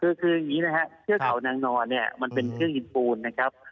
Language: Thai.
คือคืออย่างนี้นะฮะเทือกเขานางนอนเนี่ยมันเป็นเครื่องยินปูนนะครับ